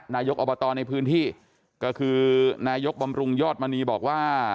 นายกอบตในพื้นที่ก็คือนายกบำรุงยอดมณีบอกว่า